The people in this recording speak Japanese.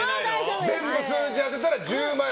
全部の数字を当てたら１０万円。